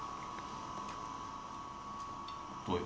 どうよ？